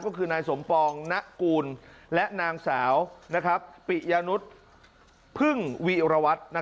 ก็คือนายสมปองณกูลและนางสาวปิยานุษย์พึ่งวีรวัตร